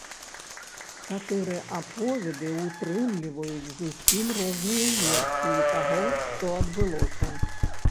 Чатыры аповеды ўтрымліваюць зусім розныя версіі таго, што адбылося.